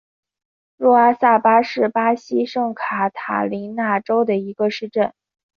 若阿萨巴是巴西圣卡塔琳娜州的一个市镇。